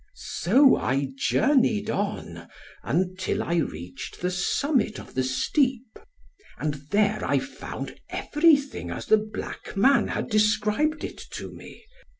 "So I journeyed on, until I reached the summit of the steep. And there I found every thing, as the black man had described it to me.